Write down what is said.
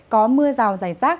có mưa rào rải rác